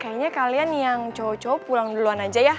kayanya kalian yang cowo cowo pulang duluan aja ya